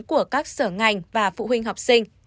của các sở ngành và phụ huynh học sinh